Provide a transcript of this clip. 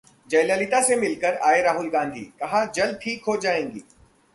जयललिता से मिलकर आए राहुल गांधी, कहा- जल्द ठीक हो जाएंगी